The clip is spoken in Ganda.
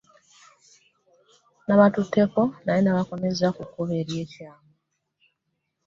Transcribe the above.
Nabatutteko naye nabakomezza ku kkubo erikyama.